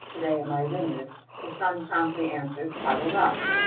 work to day in my vineyard," the son promptly answered, "I will not."